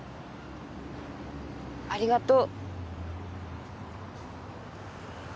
ありがとう。